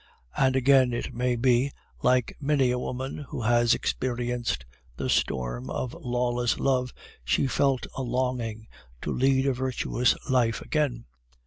And again, it may be, like many a woman who has experienced the storm of lawless love, she felt a longing to lead a virtuous life again.